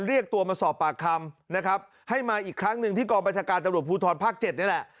เรียกตัวมาสอบปากคำนะครับให้มาอีกครั้งหนึ่งที่กองประชาการตำรวจภูทรภาค๗นี่แหละ